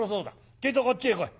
ちょいとこっちへ来い。